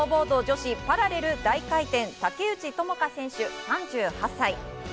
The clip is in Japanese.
スノーボード女子パラレル大回転・竹内智香選手、３８歳。